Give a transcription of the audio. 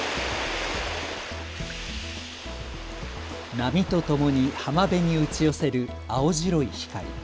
波とともに浜辺に打ち寄せる青白い光。